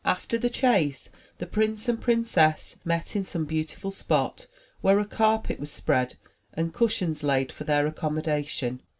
After the chase, the prince and princess met in some beautiful spot, where a carpet was spread, and cushions laid for their accommodation.